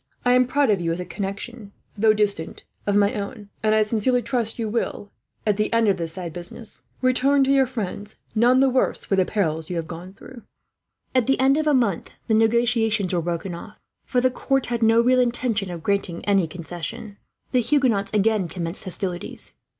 I am proud of you as a connection, though distant, of my own; and I sincerely trust you will, at the end of this sad business, return home to your friends none the worse for the perils you have gone through." At the end of a month the negotiations were broken off, for the court had no real intention of granting any concessions. The Huguenots again commenced hostilities.